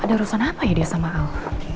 ada urusan apa ya dia sama al